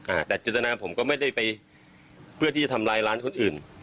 อ่าแต่จินตนาผมก็ไม่ได้ไปเพื่อที่จะทำลายร้านคนอื่น